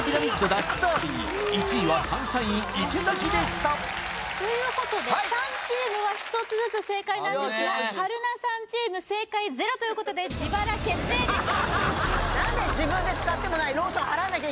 ダービー１位はサンシャイン池崎でしたということで３チームは１つずつ正解なんですが春菜さんチーム正解ゼロということで自腹決定です